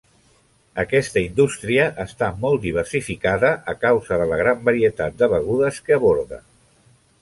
Aquesta indústria està molt diversificada a causa de la gran varietat de begudes que aborda.